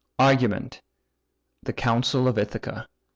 ARGUMENT. THE COUNCIL OF ITHACA.